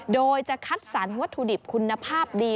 โดยจะคัดสรรวัตถุดิบคุณภาพดี